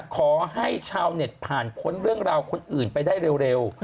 ขอให้ชาวเน็ตผ่านพ้นเรื่องราวคนอื่นไปได้เร็ว